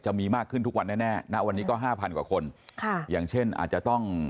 จะมีมากขึ้นทุกวันแน่แน่นะวันนี้ก็ห้าพันกว่าคนค่ะอย่างเช่นอาจจะต้อง